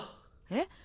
えっ？